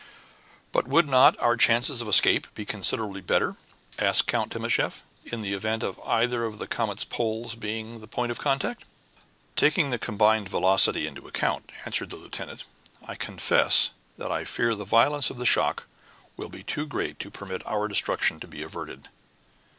"But would not our chances of escape be considerably better," asked Count Timascheff, "in the event of either of the comet's poles being the point of contact?" "Taking the combined velocity into account," answered the lieutenant, "I confess that I fear the violence of the shock will be too great to permit our destruction to be averted."